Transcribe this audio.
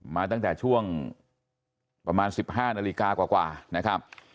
มาตั้งแต่ช่วงประมาณ๑๕นาฬิกากว่านะครับ